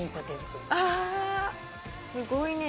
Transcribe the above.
すごいね。